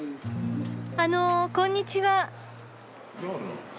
あのこんにちは。